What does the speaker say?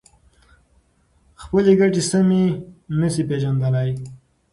خپلې ګټې سمې نشي پېژندلای.